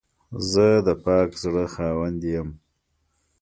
زه د پاک زړه خاوند یم.